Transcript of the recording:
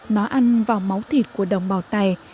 nó ăn vào máu thịt của đồng bào tày